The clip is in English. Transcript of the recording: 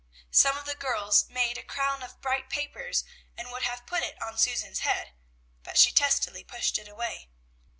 Some of the girls made a crown of bright papers and would have put it on Susan's head, but she testily pushed it away.